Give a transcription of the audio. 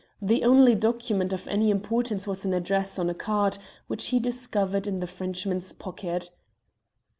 The only document of any importance was an address on a card which he discovered in the Frenchman's pocket."